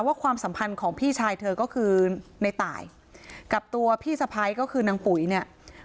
ความสัมพันธ์ของพี่ชายเธอก็คือในตายกับตัวพี่สะพ้ายก็คือนางปุ๋ยเนี่ย